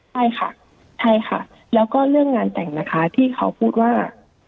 ใช่ค่ะใช่ค่ะแล้วก็เรื่องงานแต่งนะคะที่เขาพูดว่า